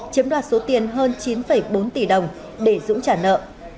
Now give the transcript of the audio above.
chiếm đoạt số tiền hơn chín bốn tỷ đồng để dũng trả nợ